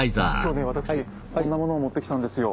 私こんなものを持ってきたんですよ。